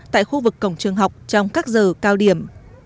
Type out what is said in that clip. tại khu vực cổng trường học trong các giờ cao điểm